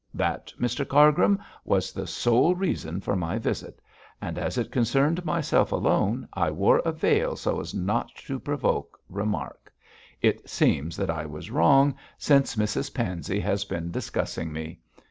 That, Mr Cargrim, was the sole reason for my visit; and as it concerned myself alone, I wore a veil so as not to provoke remark. It seems that I was wrong, since Mrs Pansey has been discussing me.